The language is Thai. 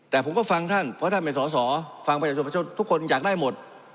แต่ผมก็ฟังท่านเพราะท่านเป็นสอสอฟังประชาชนทุกคนอยากได้หมด